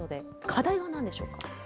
課題はなんでしょうか。